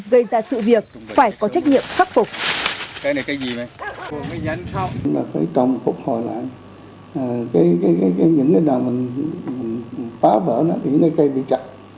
gây ra sự việc phải có trách nhiệm khắc phục